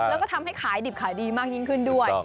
แล้วก็ทำให้ขายดิบขายดีมากยิ่งขึ้นด้วย